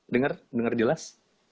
dengar dengar jelas